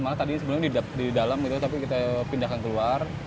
malah tadi sebenarnya di dalam gitu tapi kita pindahkan keluar